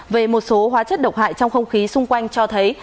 về một số hóa chất độc hại trong không khí xung quanh cho thấy